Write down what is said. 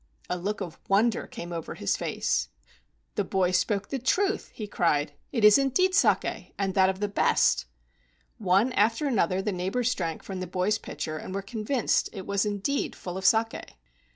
A look of wonder came over his face. "The boy spoke the truth," he cried. "It is indeed saki, and that of the best." One after another the neighbors drank from the boy's pitcher and were convinced it was indeed full of saki.